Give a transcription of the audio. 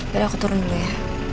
baru aku turun dulu ya